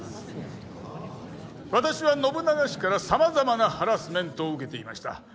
私は信長氏からさまざまなハラスメントを受けていました。